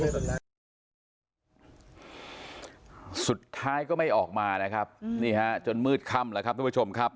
รำรวจก็ปิดล้อมไล่มันสวมประหลังไล่อ้อยท้ายหมู่บ้านบ้านโคกสะอาดที่ตำบลทองหลางเอาไว้นะครับ